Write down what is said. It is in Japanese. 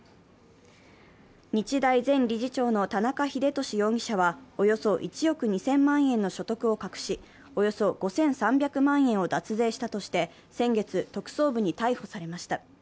日大前理事長の田中英寿容疑者はおよそ１億２０００万円の所得を隠し、およそ５３００万円を脱税したとして先月、特捜部に逮捕されました。